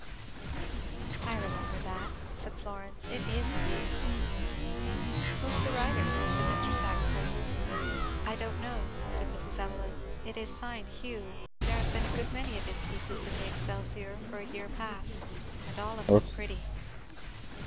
"I remember that," said Florence; "it is beautiful." "Who's the writer?" said Mr. Stackpole. "I don't know," said Mrs. Evelyn, "it is signed 'Hugh' there have been a good many of his pieces in the Excelsior for a year past and all of them pretty."